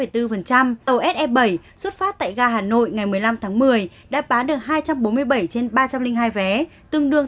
tàu se bảy xuất phát tại gia hà nội ngày một mươi năm tháng một mươi đã bán được hai trăm bốn mươi bảy trên ba trăm linh hai vé tương đương tám mươi một bảy mươi tám